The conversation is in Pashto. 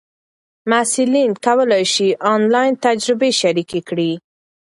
محصلین کولای سي آنلاین تجربې شریکې کړي.